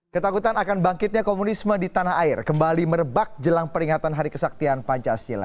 ketakutan akan bangkitnya komunisme di tanah air kembali merebak jelang peringatan hari kesaktian pancasila